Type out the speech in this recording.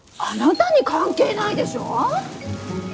あなたに関係ないでしょ。